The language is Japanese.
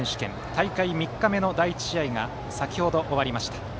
大会３日目の第１試合が先程終わりました。